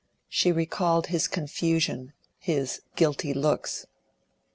She recalled his confusion, his guilty looks.